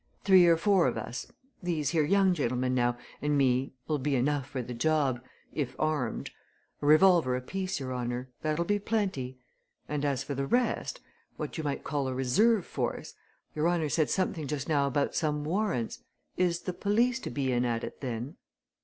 Three or four of us these here young gentlemen, now, and me 'll be enough for the job if armed. A revolver apiece your honour that'll be plenty. And as for the rest what you might call a reserve force your honour said something just now about some warrants. Is the police to be in at it, then?"